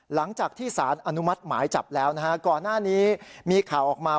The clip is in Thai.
หลังจากที่สารอนุมัติหมายจับแล้วนะฮะก่อนหน้านี้มีข่าวออกมา